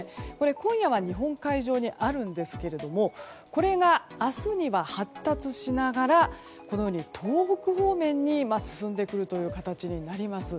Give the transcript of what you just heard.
今夜は日本海上にあるんですけれどもこれが明日には発達しながら東北方面に進んでくるという形になります。